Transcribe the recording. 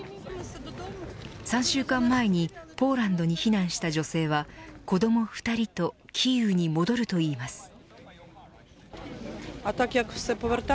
３週間前にポーランドに避難した女性は子ども２人とキーウに戻るといいます。